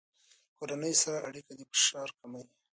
له کورنۍ سره اړیکه د فشار کموي.